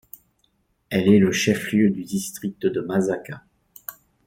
Elle est le chef-lieu du District de Masaka.